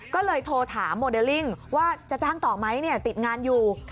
ก็เลยโทรถามโมเดลลิ่งว่าจะจ้างต่อไหมติดงานอยู่